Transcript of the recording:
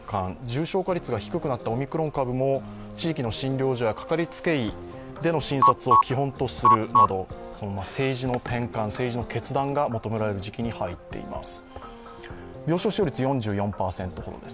重症化率が低くなったオミクロン株も地域の診療所やかかりつけ医での診察を基本とするなど政治の転換、政治の決断が求められる時期に入ってきています。